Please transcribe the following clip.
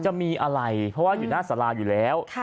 จะมีอะไรเพราะว่าอยู่หน้าสาราอยู่แล้ว